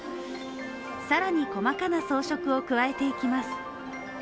更に細かな装飾を加えていきます。